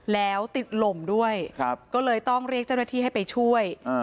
แล้วติดลมด้วยก็เลยต้องเรียกเจ้าหน้าที่ให้ไปช่วย